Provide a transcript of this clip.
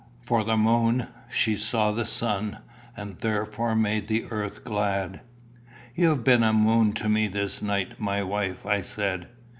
For the moon she saw the sun, and therefore made the earth glad. "You have been a moon to me this night, my wife," I said.